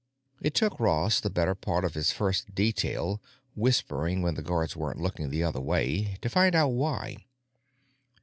It took Ross the better part of his first detail, whispering when the guards were looking the other way, to find out why.